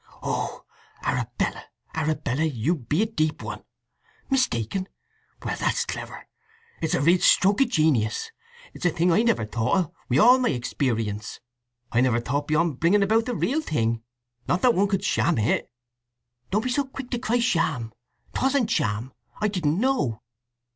"Oh, Arabella, Arabella; you be a deep one! Mistaken! well, that's clever—it's a real stroke of genius! It is a thing I never thought o', wi' all my experience! I never thought beyond bringing about the real thing—not that one could sham it!" "Don't you be too quick to cry sham! 'Twasn't sham. I didn't know."